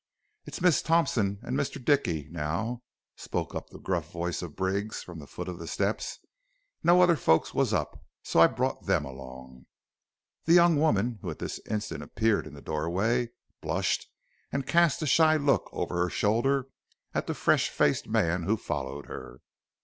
"'It's Miss Thompson and Mr. Dickey,' now spoke up the gruff voice of Briggs from the foot of the steps. 'No other folks was up, so I brought them along.' "The young woman, who at this instant appeared in the doorway, blushed and cast a shy look over her shoulder at the fresh faced man who followed her.